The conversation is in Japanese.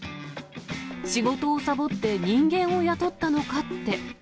仕事をさぼって人間を雇ったのかって。